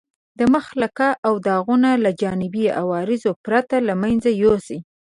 د مخ لکې او داغونه له جانبي عوارضو پرته له منځه یوسئ.